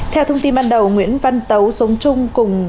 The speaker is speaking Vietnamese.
theo thông tin ban đầu nguyễn văn tấu sống chung cùng